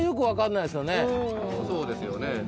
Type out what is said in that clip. そうですよね。